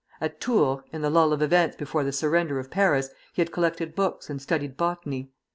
At Tours, in the lull of events before the surrender of Paris, he had collected books and studied botany.